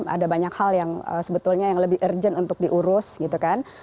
ada banyak hal yang sebetulnya yang lebih urgent untuk diurus gitu kan